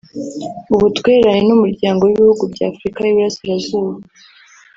Ubutwererane n’Umuryango w’Ibihugu bya Afurika y‘Iburasirazuba